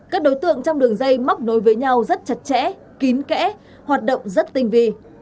các đối tượng trong đường dây móc nối với nhau rất chặt chẽ kín kẽ hoạt động rất tinh vi